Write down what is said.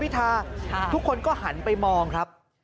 ทุกคนก็หันไปมองครับ